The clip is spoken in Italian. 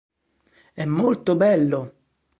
È molto bello